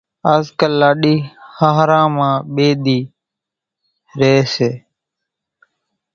آز ڪالِ لاڏِي ۿاۿران مان ٻيَ ۮِي ريئيَ سي۔